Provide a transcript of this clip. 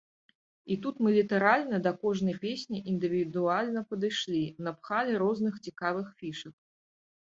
І тут мы літаральна да кожнай песні індывідуальна падышлі, напхалі розных цікавых фішак.